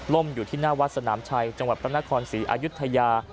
ล่มอยู่ที่หน้าวัดสนามชัยจังหวัดตำนักครสีอายุทยา